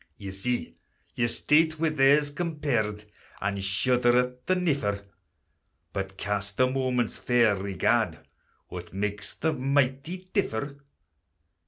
Ye see your state wi' theirs compared, And shudder at the niffer; But cast a moment's fair regard, What makes the mighty differ?